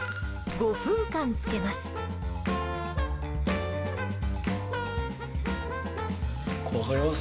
５分間漬けます。